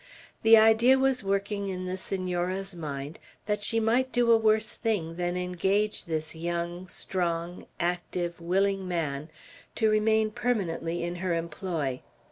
The idea was working in the Senora's mind, that she might do a worse thing than engage this young, strong, active, willing man to remain permanently in her employ.